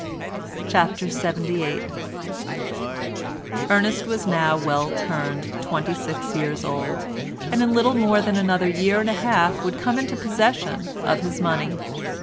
CHAPTER LXXVIII Ernest was now well turned twenty six years old, and in little more than another year and a half would come into possession of his money.